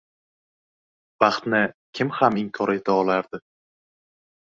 • Baxtni kim ham inkor eta olardi?